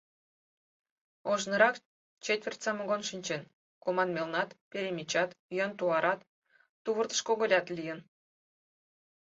Ожнырак четвырть самогон шинчен, команмелнат, перемечат, ӱян туарат, тувыртышкогылят лийын.